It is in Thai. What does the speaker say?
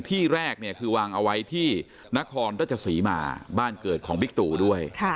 ที่แรกเนี่ยคือวางเอาไว้ที่นครราชศรีมาบ้านเกิดของบิ๊กตูด้วย